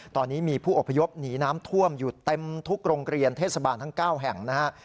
ตอนนี้มีผู้อพยพหนีน้ำท่วมอยู่เต็มทุกโรงเรียนเทศบาลทั้ง๙แห่งนะฮะ